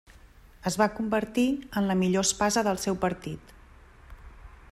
Es va convertir en la millor espasa del seu partit.